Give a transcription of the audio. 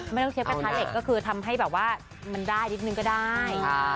ไม่ต้องเชฟกระทะเหล็กก็คือทำให้แบบว่ามันได้นิดนึงก็ได้